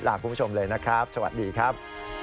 ลาคุณผู้ชมเลยนะครับสวัสดีครับ